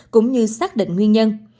cũng như xác định nguyên nhân